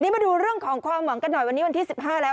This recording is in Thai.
มาดูเรื่องของความหวังกันหน่อยวันนี้วันที่๑๕แล้ว